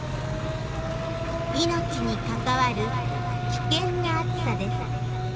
「命に関わる危険な暑さです。